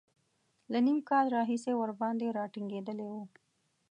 له نیم کال راهیسې ورباندې را ټینګېدلی و.